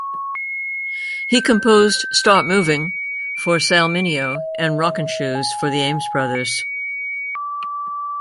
He composed "Start Movin'" for Sal Mineo and "Rockin' Shoes" for the Ames Brothers.